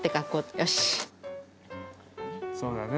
そうだよね。